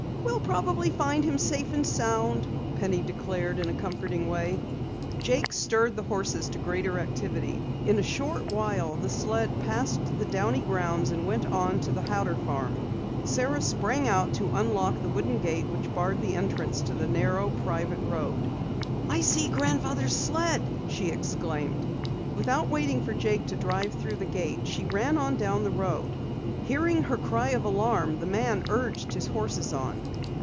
"We'll probably find him safe and sound," Penny declared in a comforting way. Jake stirred the horses to greater activity. In a short while the sled passed the Downey grounds and went on to the Hatter farm. Sara sprang out to unlock the wooden gate which barred entrance to a narrow, private road. "I see Grandfather's sled!" she exclaimed. Without waiting for Jake to drive through the gate, she ran on down the road. Hearing her cry of alarm, the man urged his horses on.